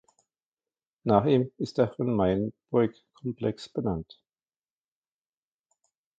Nach ihm ist der Von-Meyenburg-Komplex benannt.